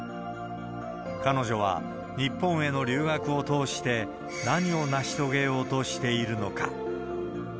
彼女は日本への留学を通して、何を成し遂げようとしているのか。